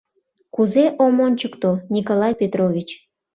— Кузе ом ончыкто, Николай Петрович.